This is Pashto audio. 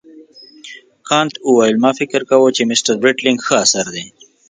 کانت وویل ما فکر کاوه چې مسټر برېټلنیګ ښه اثر دی.